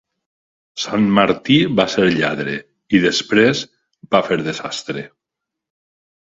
Sant Martí va ser lladre, i després va fer de sastre.